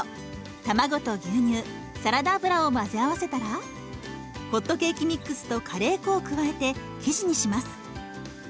卵と牛乳サラダ油を混ぜ合わせたらホットケーキミックスとカレー粉を加えて生地にします。